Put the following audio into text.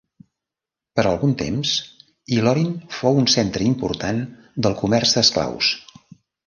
Per algun temps Ilorin fou un centre important del comerç d'esclaus.